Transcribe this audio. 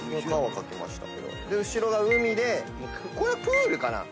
後ろが海でこれプール？